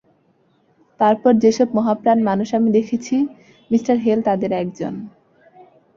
তারপর যে-সব মহাপ্রাণ মানুষ আমি দেখেছি, মি হেল তাঁদের একজন।